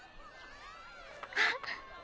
あっ！